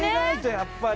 やっぱり。